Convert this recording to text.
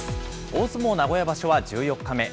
大相撲名古屋場所は１４日目。